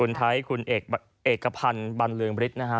คุณไทยคุณเอกพันธ์บรรลืองบฤทธิ์นะฮะ